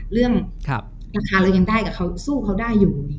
เรื่องราคาเรายังได้กับเขาสู้เขาได้อยู่